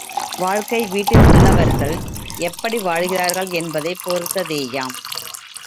வாழ்க்கை வீட்டில் உள்ளவர்கள் எப்படி வாழ்கிறார்கள் என்பதைப் பொறுத்ததேயாம்.